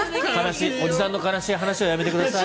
おじさんの悲しい話はやめてください。